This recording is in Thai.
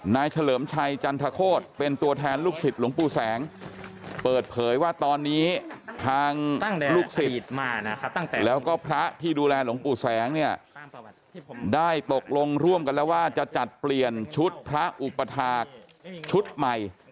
เฉลิมชัยจันทโคตรเป็นตัวแทนลูกศิษย์หลวงปู่แสงเปิดเผยว่าตอนนี้ทางลูกศิษย์แล้วก็พระที่ดูแลหลวงปู่แสงเนี่ยได้ตกลงร่วมกันแล้วว่าจะจัดเปลี่ยนชุดพระอุปถาคชุดใหม่